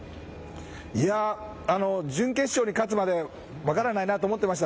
準決勝に勝つまでは分からないなと思っていました。